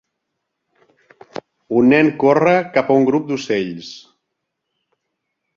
Un nen corre cap a un grup d'ocells.